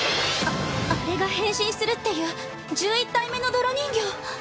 ああれが変身するっていう１１体目の泥人形。